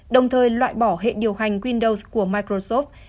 đồng thời loại bỏ hệ điều hành windows của microsoft